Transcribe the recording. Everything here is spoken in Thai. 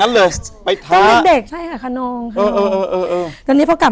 นั้นเลยไปท้าเด็กใช่ค่ะคานองอื้ออออ่อตอนนี้พวกัด